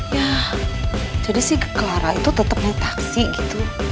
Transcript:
yah jadi sih ke klara itu tetap nyetaksi gitu